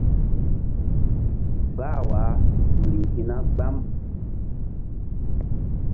Bah wah tu riŋ hi̧na gbam.